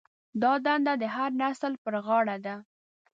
دا دنده د هر نسل پر غاړه ده.